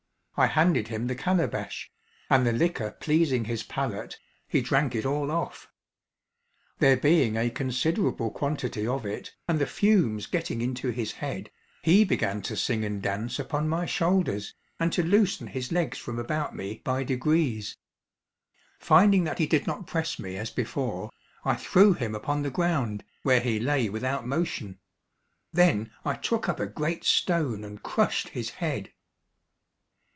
I handed him the calabash, and the liquor pleasing his palate, he drank it all off. There being a considerable quantity of it, and the fumes getting into his head, he began to sing and dance upon my shoulders, and to loosen his legs from about me by degrees. Finding that he did not press me as before, I threw him upon the ground, where he lay without motion; then I took up a great stone and crushed his head.